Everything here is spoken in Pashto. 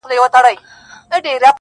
کرۍ ورځ یې وه پخوا اوږده مزلونه.!